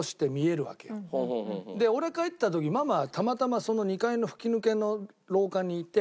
で俺帰った時ママはたまたまその２階の吹き抜けの廊下にいて。